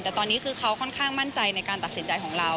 แต่ตอนนี้คือเขาค่อนข้างมั่นใจในการตัดสินใจของเรา